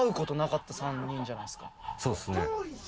そうっすね。